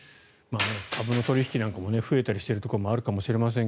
株の取り引きなんかも増えているところもあるかもしれない。